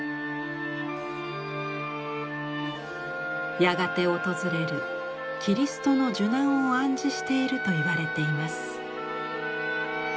やがて訪れるキリストの受難を暗示しているといわれています。